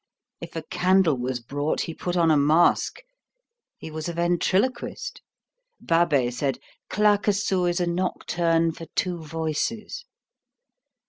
If a candle was brought, he put on a mask. He was a ventriloquist. Babet said: "Claquesous is a nocturne for two voices."